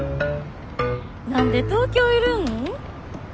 何で東京いるん？